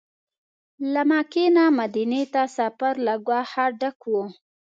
له مکې نه مدینې ته سفر له ګواښه ډک و.